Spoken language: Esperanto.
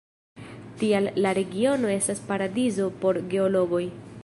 Tial la regiono estas paradizo por geologoj.